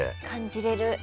感じれる。